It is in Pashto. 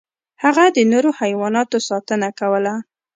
هغه د نورو حیواناتو ساتنه کوله.